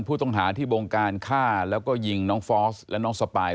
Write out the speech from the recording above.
ผู้ต้องหาที่บงการฆ่าแล้วก็ยิงน้องฟอสและน้องสปาย